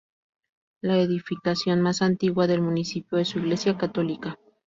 La edificación más antigua del municipio es su Iglesia Católica.